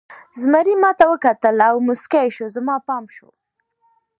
زمري ما ته وکتل او موسکی شو، زما پام شو.